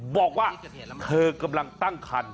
บอกว่าเธอกำลังตั้งคัน